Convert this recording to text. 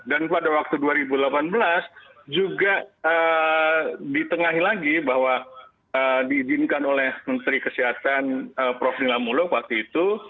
dan pada waktu dua ribu delapan belas juga ditengahi lagi bahwa diizinkan oleh menteri kesehatan prof nila muluk waktu itu